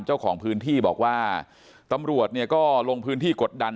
เจ้าของพื้นที่บอกว่าตำรวจเนี่ยก็ลงพื้นที่กดดัน